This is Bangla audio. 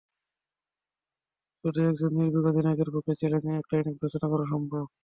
শুধু একজন নির্ভীক অধিনায়কের পক্ষেই চ্যালেঞ্জিং একটা ইনিংস ঘোষণা করা সম্ভব।